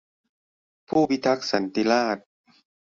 ผู้พิทักษ์สันติราษฎร์